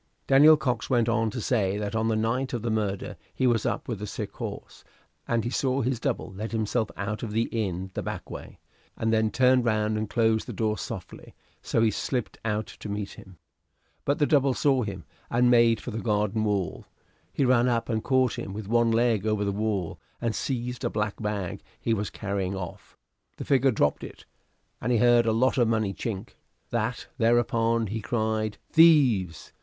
Daniel Cox went on to say that on the night of the murder he was up with a sick horse, and he saw his double let himself out of the inn the back way, and then turn round and close the door softly; so he slipped out to meet him. But the double saw him, and made for the garden wall. He ran up and caught him with one leg over the wall, and seized a black bag he was carrying off; the figure dropped it, and he heard a lot Of money chink: that thereupon he cried "Thieves!"